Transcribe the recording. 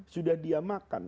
sudah dia makan